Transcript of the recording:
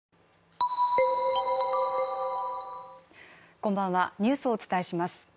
こんばんはニュースをお伝えします